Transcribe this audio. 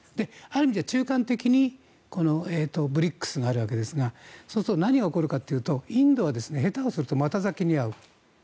ある意味では中間的にＢＲＩＣＳがあるわけですがそうすると何が起こるかというとインドは下手をすると股裂きに遭う。